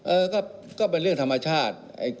เออก็เป็นเรื่องธรรมชาติ